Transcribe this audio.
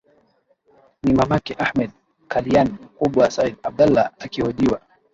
ni mamake ahmed kalian mkubwa said abdallah akihojiwa